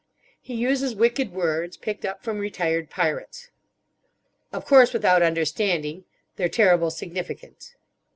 He uses wicked words, picked up from retired pirates. "Of course without understanding. Their terrible significance."